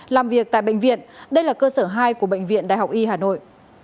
làm việc tại bệnh viện đây là cơ sở hai của bệnh viện đại học y hà nội